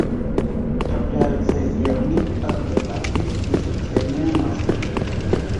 Трапляюцца зерні, агрэгаты і суцэльныя масы.